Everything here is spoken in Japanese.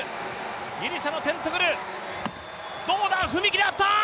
ギリシャのテントグル、どうだ、踏み切りは合った！